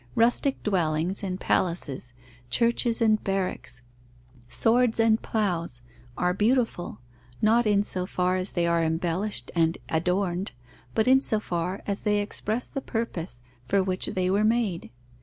Rustic dwellings and palaces, churches and barracks, swords and ploughs, are beautiful, not in so far as they are embellished and adorned, but in so far as they express the purpose for which they were made.